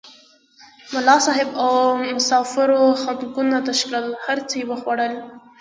ملا صاحب او مسافرو خانکونه تش کړل هر څه یې وخوړل.